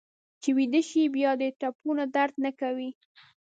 چې ویده شې بیا دې ټپونه درد نه کوي.